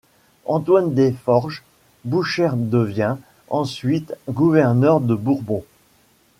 Antoine Desforges-Boucherdevient ensuite gouverneur de Bourbon.